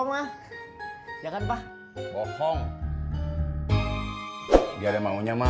wah ya kan pak bohong biar maunya mah